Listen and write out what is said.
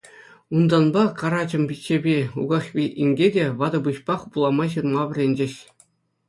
Унтанпа Карачӑм пиччепе Укахви инке те ватӑ пуҫпах вулама-ҫырма вӗренчӗҫ.